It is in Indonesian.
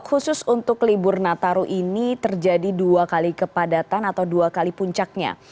khusus untuk libur nataru ini terjadi dua kali kepadatan atau dua kali puncaknya